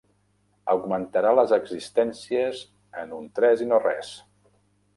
Augmentarà les existències en un tres i no res.